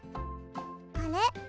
あれ？